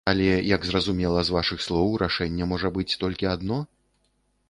Але як зразумела з вашых слоў, рашэнне можа быць толькі адно?